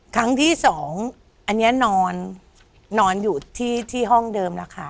ครั้งที่สองอันนี้นอนอยู่ที่ห้องเดิมแล้วค่ะ